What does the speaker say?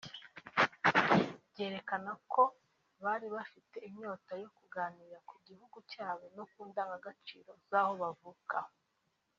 byerekana ko bari bafite inyota yo kuganira ku gihugu cyabo no ku ndangagaciro zaho bavuka